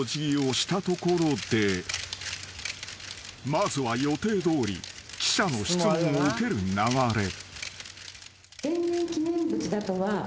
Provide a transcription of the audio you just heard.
［まずは予定どおり記者の質問を受ける流れ］